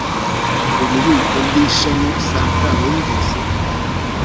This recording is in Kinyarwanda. ububiko bwishami santa wumvise